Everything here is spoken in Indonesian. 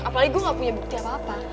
apalagi gue gak punya bukti apa apa